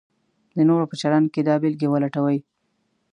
د نورو په چلند کې دا بېلګې ولټوئ: